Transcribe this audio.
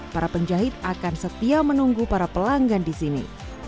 para penjahit akan setia menunggu para pelanggan di sini